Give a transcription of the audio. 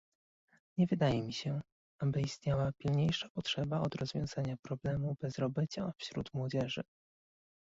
Nie wydaje mi się, aby istniała pilniejsza potrzeba od rozwiązania problemu bezrobocia wśród młodzieży